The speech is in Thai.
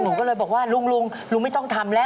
หนูก็เลยบอกว่าลุงลุงไม่ต้องทำแล้ว